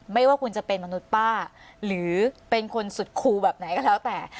ไม่ว่าคุณจะเป็นมนุษย์ป้าหรือเป็นคนสุดคูแบบไหนก็แล้วแต่